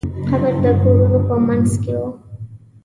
قبر د کورونو په منځ کې و.